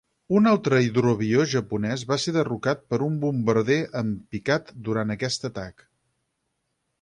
Un altre hidroavió japonès va ser derrocat per un bombarder en picat durant aquest atac.